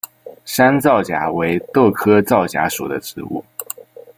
山皂荚为豆科皂荚属的植物。